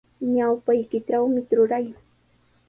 Ñawpaykitrawmi truray.